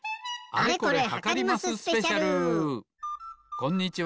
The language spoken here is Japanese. こんにちは。